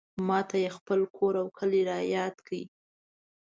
ماته یې خپل کور او کلی رایاد کړ.